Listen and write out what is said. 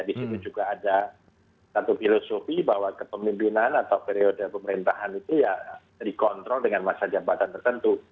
di situ juga ada satu filosofi bahwa kepemimpinan atau periode pemerintahan itu ya dikontrol dengan masa jabatan tertentu